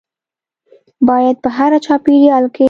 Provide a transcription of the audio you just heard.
باید په هر چاپیریال کې